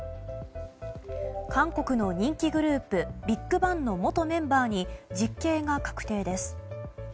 韓国の人気グループＢＩＧＢＡＮＧの元メンバーに実刑が確定です。